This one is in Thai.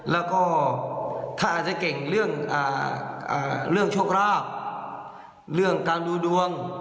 แล้วก็ถ้าอาจจะเก่งเรื่องโชคราบเรื่องการดูดวง